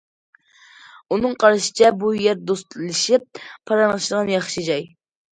ئۇنىڭ قارىشىچە، بۇ يەر دوستلىشىپ پاراڭلىشىدىغان ياخشى جاي.